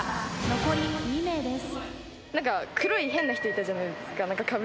残り２名です。